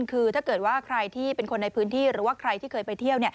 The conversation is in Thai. คือถ้าเกิดว่าใครที่เป็นคนในพื้นที่หรือว่าใครที่เคยไปเที่ยว